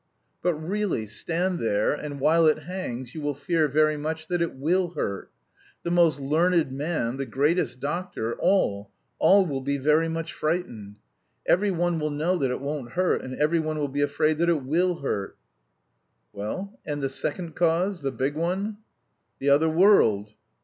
"But really stand there and while it hangs you will fear very much that it will hurt. The most learned man, the greatest doctor, all, all will be very much frightened. Every one will know that it won't hurt, and every one will be afraid that it will hurt." "Well, and the second cause, the big one?" "The other world!"